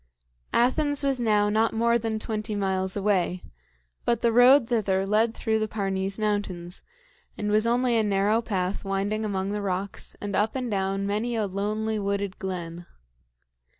Athens was now not more than twenty miles away, but the road thither led through the Parnes Mountains, and was only a narrow path winding among the rocks and up and down many a lonely wooded glen.